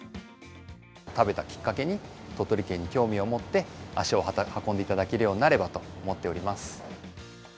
食べたきっかけに鳥取県に興味を持って、足を運んでいただけるようになればと思っております。